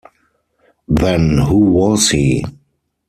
Then who was he?